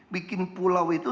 bikin pulau itu